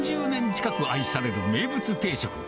３０年近く愛される名物定食。